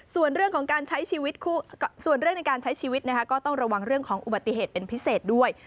ส่วนเรื่องในการใช้ชีวิตก็ต้องระวังเรื่องของอุบัติเหตุเป็นพิเศษด้วย